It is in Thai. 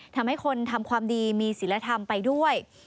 ทำให้คนทำความดีมีศิลธรรมไปด้วย